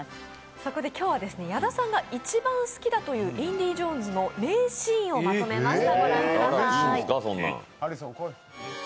そこで今日は矢田さんが一番好きだという「インディ・ジョーンズ」の名シーンをまとめました。